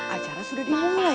ayo acara sudah dimulai